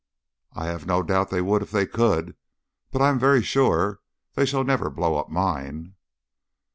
"I have no doubt they would if they could. But I am very sure they shall never blow up mine."